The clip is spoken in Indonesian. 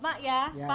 pak diganti baru pak